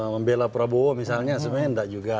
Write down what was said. membela prabowo misalnya sebenarnya enggak juga